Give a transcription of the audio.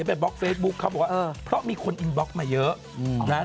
ไปบล็อกเฟซบุ๊คเขาบอกว่าเออเพราะมีคนอินบล็อกมาเยอะนะ